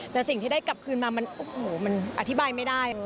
แต่สิ่งที่ได้กลับคืนมามันอธิบายไม่ได้